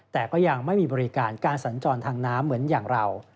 แต่ก็ยังไม่มีบริการการสัญจรทางน้ำเหมือนอย่างเรา